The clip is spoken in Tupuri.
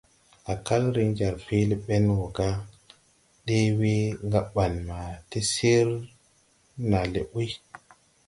Á kal riŋ jar peelé ɓeŋ wɔ ga: « ɗee we gaɓaŋ ma ti sir naa le ɓuy ».